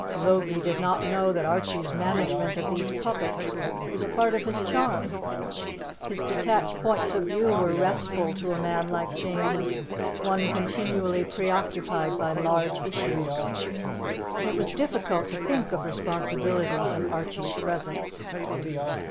Logie did not know that Archie's management of these puppets was a part of his charm. His detached points of view were restful to a man like James, one continually preoccupied by large issues. It was difficult to think of responsibilities in Archie's presence.